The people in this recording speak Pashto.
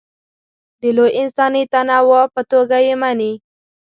د لوی انساني تنوع په توګه یې مني.